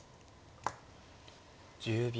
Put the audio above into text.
１０秒。